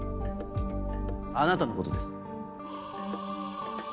あなたのことです。